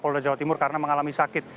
polda jawa timur karena mengalami sakit